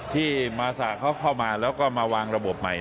ที่มาสะเขาเข้ามาแล้วก็มาวางระบบใหม่